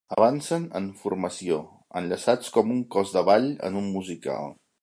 Avancen en formació, enllaçats com un cos de ball en un musical.